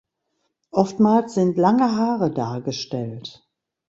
Oftmals sind lange Haare dargestellt.